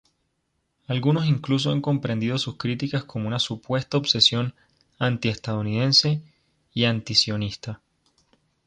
Algunos incluso han comprendido sus críticas como una supuesta obsesión antiestadounidense y antisionista.